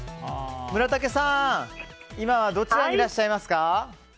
村武さん、今はどちらにいらっしゃいますか？